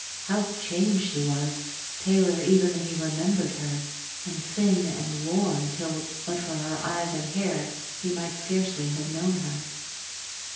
How changed she was! Paler even than he remembered her, and thin and worn till, but for her eyes and hair, he might scarcely have known her.